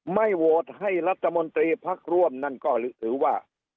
ไม่โวตให้รัฐมนตรีภักษ์ร่วมนั่นก็เหลือถือว่า